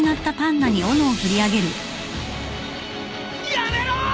やめろ！